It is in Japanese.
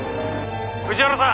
「藤原さん！